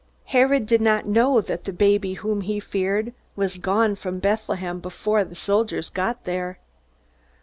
_ Herod did not know that the baby whom he feared was gone from Bethlehem before the soldiers got there.